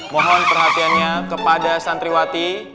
mohon perhatiannya kepada santriwati